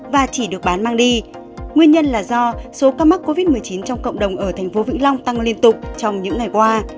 và chỉ được bán mang đi nguyên nhân là do số ca mắc covid một mươi chín trong cộng đồng ở thành phố vĩnh long tăng liên tục trong những ngày qua